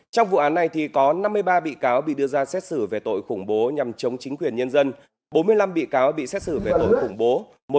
trong vụ án này có năm mươi ba bị cáo bị đưa ra xét xử về tội khủng bố nhằm chống chính quyền nhân dân bốn mươi năm bị cáo bị xét xử về tội khủng bố